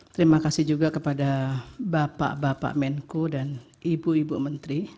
terima kasih juga kepada bapak bapak menko dan ibu ibu menteri